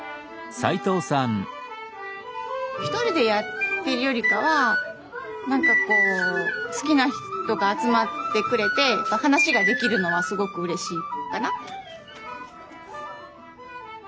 １人でやってるよりかは好きな人が集まってくれて話ができるのはすごくうれしいかな。